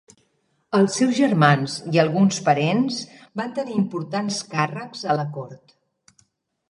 Els seus germans i alguns parents van tenir importants càrrecs a la cort.